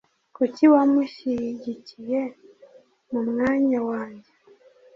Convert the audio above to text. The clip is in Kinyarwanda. Kuki wamushyigikiye mu mwanya wanjye?